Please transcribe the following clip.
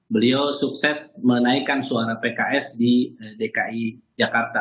beliau sukses menaikkan suara pks di dki jakarta